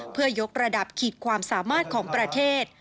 เพื่อยกระดับขีดความสามารถของประเทศ